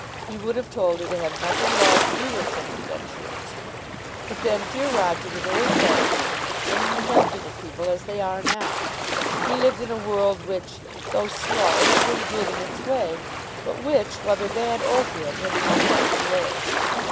He would have told her to have nothing at all to do with such adventurers. But then dear Roger was old fashioned, and knew nothing of people as they are now. He lived in a world which, though slow, had been good in its way; but which, whether bad or good, had now passed away.